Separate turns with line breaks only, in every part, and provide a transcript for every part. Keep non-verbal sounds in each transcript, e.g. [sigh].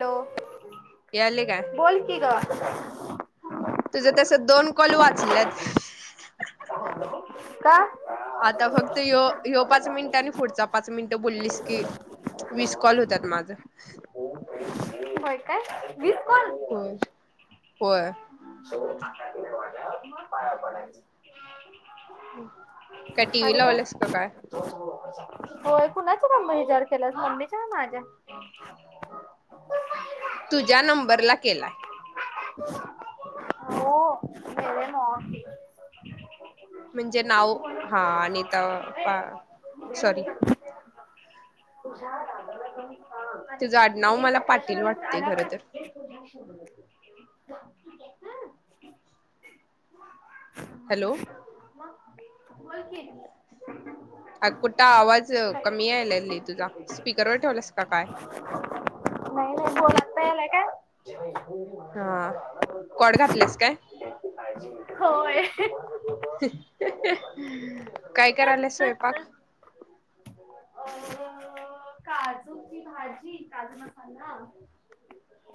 Hello
याले काय
बोल कि ग
तुझं तसं दोन कॉल वाचल्यात
का
आता फक्त यो, यो पाच मिनिट आणि पुढचा पाच मिनिटं बोललीस की वीस कॉल होत्यात माझ
होय काय वीस कॉल हो
होय होय
देवाच्या पाया पडायचं
काय टी व्ही
आणि काय
लावल्यास का
होय कुणाच मम् हचार केला मम्मीच्या का माझ्या
तुझ्या नंबरला केलाय
ओ [inaudible]
म्हणजे नाव हा आनिता बा सॉरी तुझं
तुझा
आडनाव मला पाटील वाटते खर तर
[inaudible] [inaudible]
हॅलो
बोल की
हा कुठ आवाज
नाही
कमी यायलाय लली तुझा स्पीकरवर ठेवलास का काय
नाही, नाही बोल आत्ता यायलाय काय जेव्हा इी मणशी
हा
माझ्यावर
कॉड
आलाय
घातल्यास काय
[unintelligible] होय
काय करायल्यास स्वयंपाक
अ काजूची भाजी, काजू मसाला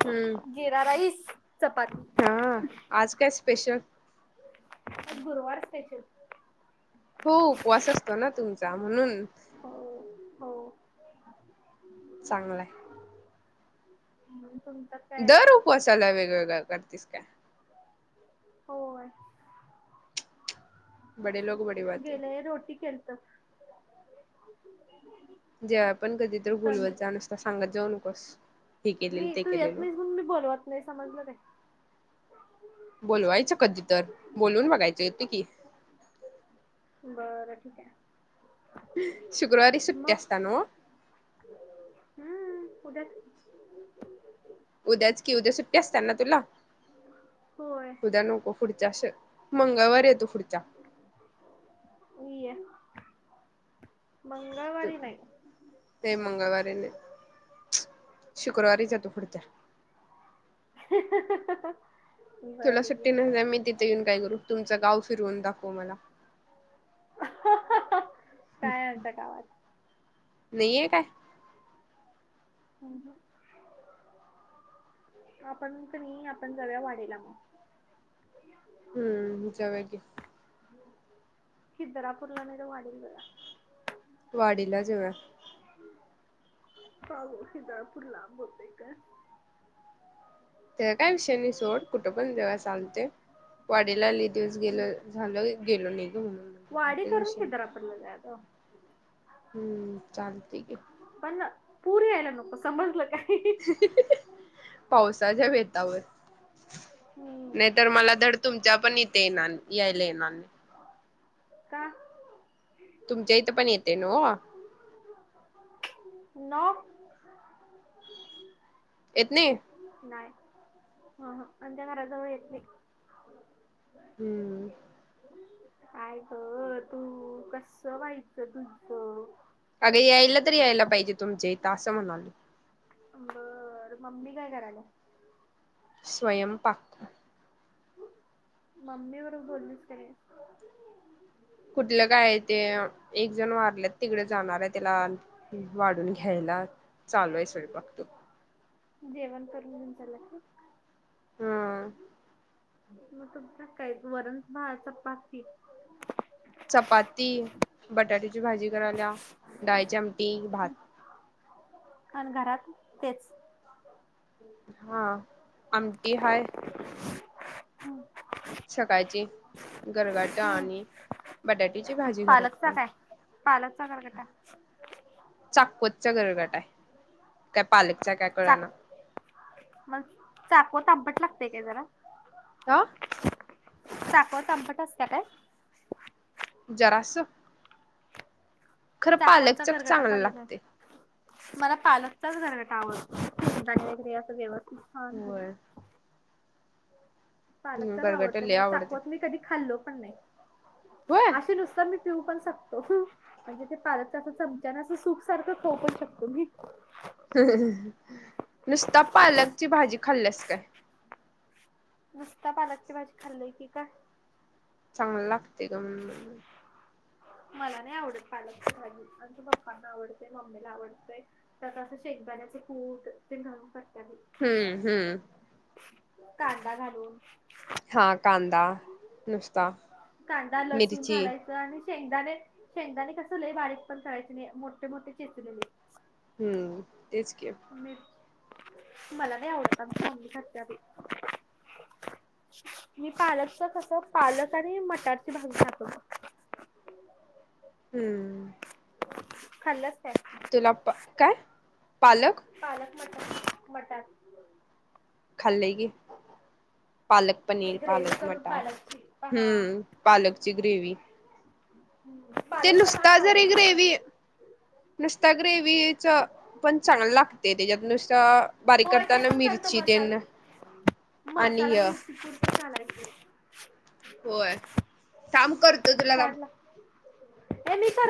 हम्म
जिरा राईस, चपाती
हा आज काय स्पेशल
गुरुवार स्पेशल
हो उपवास असतो ना तुमचा म्हणून
हो, हो
चांगलंय
ह तुमचा
दर उपवासाला वेगवेगळं करतीस काय
होय
बडे लोक बडी बात आहे
गेल्यावेळी रोटी केलत
जेव्हा पण कधीतरी
तंद
बोलवत जा नुसता सांगत जाऊ नकोस हे केलेल
मी
ते
तू
केलेल
येत
म्हणून
नाहीस मी बोलवत नाही समजलं नाही
बोलवायचं कधी तर बोलून बघायचं येतो की
बरं ठीक आहे
शुक्रवारी सुट्टी असत्या नव्ह
हम् उद्याच
उद्याच की उद्या सुट्टी असत्या ना तुला
होय
उद्या नको पुढच्या श मंगळवारी येतो पुढच्या
ये मंगळवारी नाही
ये मंगळवारी नई शुक्रवारीच येतो पुढच्या
ह्ह ह्ह ह्ह ह्ह हं.
तुला सुट्टी नाही ना, मी तिथे येऊन काय करू? तुमचं गाव फिरवून दाखव मला.
ह्ह ह्ह ह्ह.
[inaudible] वेळी हाय का?
हं हं. आपण तं नई, आपण तर जाऊया वाडीला.
हम्म, जाऊया कि.
खिदरापूरला नाही तर वाडीला
वाडीला जाऊया.
पाहू सितापूर लांब होतंय का.
ते काय विषय नय सोड, कुठं पण जेवा चालते वाडीला दिवस गेलं, झालं गेलो नाही. [inaudible]
कडल का गं?
हम्म, चाल ठीक हे.
पण पुर यायला नको, समजलं काय.
पावसाच्या बेतावर.
हम्म
नायतर मला धड तुमच्या पण इथे येणान, यायला येणार नाही.
का?
तुमच्या इथं पण येते नों आ
नं.
येत नय ये.
नाय ह-ह आमच्या घराजवळ येते.
हम्म.
आय गं तू कसं व्हायचं तुझं.
अगं यायला तरी यायला पाहिजे, तुमच्या इथं असं म्हणाल.
बर, मम्मी काय करायला?
स्वयंपाक.
मम्मी बरोबर बोललीस का नाय?
कुठलं काय. ते एक जण वारलेत, तिकडे जाणार आहे त्याला वाढून घ्यायला चालू आहे स्वयंपाक.
जेवण कर म्हणू चलायचं.
ह्ह.
मग तुमचा काय? वरण, भात, चपाती.
चपाती, बटाट्याची भाजी करायल्या, डायची आमटी, भात
अन घरात तेच.
हा, आमटी हाय. सकाळची गरगाटा
हम्म
आणि बटाट्याची भाजी घरात
पालकचा
पण
काय? पालकचा गरगटा.
चाकवतचा गरगटाय, ते पालकचा काय
चाक
कळना.
मग चाकवट आंबट लागतेय काय जरा?
सा
चाकवट आंबट असत्या काय?
जरासं.
हमी चाकवतचा
पालकच
गरगट
चांगलं
खाल्लो
लागते
नाही. मला पालकचाच गरगटा आवडतो. शेंगदाणे वगैरे असं व्यवस्थित छान घालून.
होय
पालकचाच
गरगट
आवडतं
लय
मला
आवडते
चाकवत मी कधी खाल्लो पण नाही.
होय.
अस नुसत मी पिऊ पण शकतो. म्हणजे ते पालकच असं चमच्याना असं सूप सारखं खाऊ पण शकतो मी.
नुसता पालकची भाजी खाल्ल्यास काय?
नुसत्या पालकची भाजी खाल्लोय की का?
चांगलं लागते ग म्हणून.
मला नाही आवडत पालकची भाजी आमच्या पप्पांना आवडतेय मम्मीला आवडते. त्यात असं शेगंदाण्याचे कूट ते घालून करत्या
हम्म
बाई.
हम्म
कांदा घालून.
हा कांदा नुसता.
कांदा लसूण
मिरची
घालायच. आणि शेंगदाणे शेंगदाणे कस लई बारीक पण करायचे नाही मोठे मोठे चेचलेले.
हम्म तेच की.
मला नाही आवडत आमची मम्मी खात्या बाई. मी पालकच कस पालक आणि मटारची भाजी दाखवत.
हम्म.
खाल्ल्यास काय?
तुला प काय पालक?
पालक मटर मटार.
खाल्ले की पालक.
ते
पनीर
ग्रेव्ही
पालक
करून
मटर
पालकची पहा
हम्म पालकची ग्रेवी. ते
पालक तर
नुसता
भात
जरी
आवडतो
ग्रेवी
मला
नुसता ग्रेवीच. पण चांगल लागते त्याच्यात नुसत बारीक
होय ते
करताना
पण करतो
मिरची
मसाला
तेणं.
मसाला मिरची पुरती घालायचं.
होय थांब करतो तुला थांब.
ए मी कर.